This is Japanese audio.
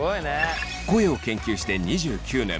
声を研究して２９年。